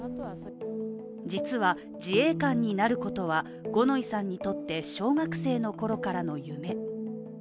実は、自衛官になることは五ノ井さんにとって小学生のころからの夢。